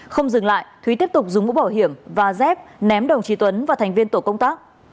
không dừng lại thúy tiếp tục dùng mũ bảo hiểm và dép ném đồng chí tuấn và thành viên tổ công tác